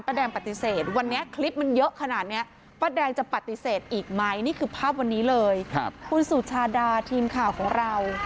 แดงปฏิเสธวันนี้คลิปมันเยอะขนาดนี้ป้าแดงจะปฏิเสธอีกไหมนี่คือภาพวันนี้เลยคุณสุชาดาทีมข่าวของเรา